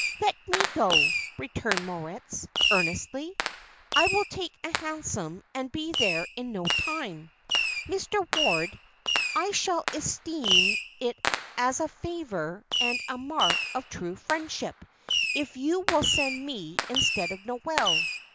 "Let me go," returned Moritz, earnestly. "I will take a hansom and be there in no time. Mr. Ward, I shall esteem it as a favour and a mark of true friendship if you will send me instead of Noel."